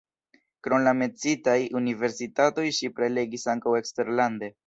Krom la menciitaj universitatoj ŝi prelegis ankaŭ eksterlande.